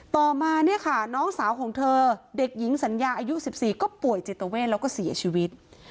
ต่อมาเนี่ยค่ะน้องสาวของเธอเด็กหญิงสัญญาอายุ๑๔ก็ป่วยจิตเวทแล้วก็เสียชีวิต